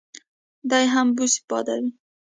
دی هم بوس بادوي.